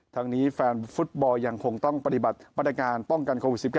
ทางนี้แฟนฟุตบอลยังคงต้องปฏิบัติมาตรการป้องกันโควิด๑๙